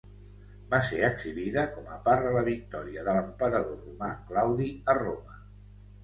Va ser exhibida com a part de la victòria de l'emperador romà Claudi a Roma.